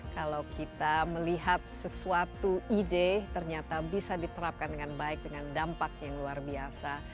kalau kita melihat sesuatu ide ternyata bisa diterapkan dengan baik dengan dampak yang luar biasa